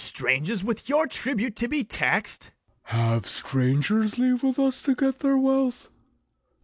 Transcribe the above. Are strangers with your tribute to be tax'd? SECOND KNIGHT. Have strangers leave with us to get their wealth?